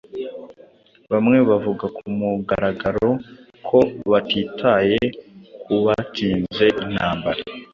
Bamwe bavuze kumugaragaro ko batitaye kubatsinze intambara.